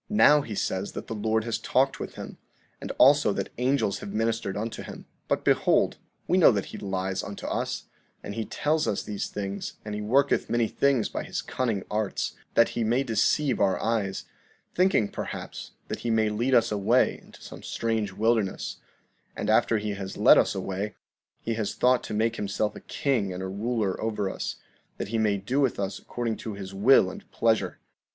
16:38 Now, he says that the Lord has talked with him, and also that angels have ministered unto him. But behold, we know that he lies unto us; and he tells us these things, and he worketh many things by his cunning arts, that he may deceive our eyes, thinking, perhaps, that he may lead us away into some strange wilderness; and after he has led us away, he has thought to make himself a king and a ruler over us, that he may do with us according to his will and pleasure.